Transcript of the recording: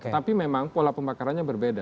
tapi memang pola pembakarannya berbeda